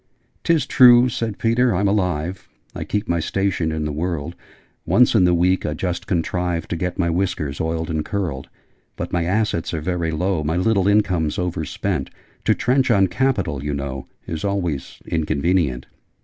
"Tis true, 'said Peter,' I'm alive: I keep my station in the world: Once in the week I just contrive To get my whiskers oiled and curled. But my assets are very low: My little income's overspent: To trench on capital, you know, Is always inconvenient!'